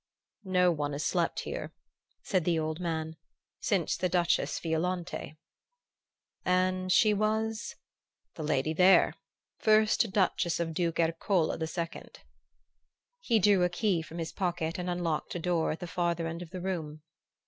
"No one has slept here," said the old man, "since the Duchess Violante." "And she was ?" "The lady there first Duchess of Duke Ercole II." He drew a key from his pocket and unlocked a door at the farther end of the room.